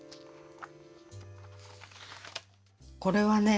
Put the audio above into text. これはね